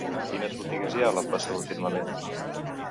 Quines botigues hi ha a la plaça del Firmament?